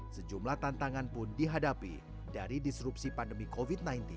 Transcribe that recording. sejumlah tantangan pun dihadapi dari disrupsi pandemi covid sembilan belas